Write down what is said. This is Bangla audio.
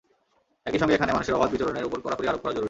একই সঙ্গে এখানে মানুষের অবাধ বিচরণের ওপর কড়াকড়ি আরোপ করা জরুরি।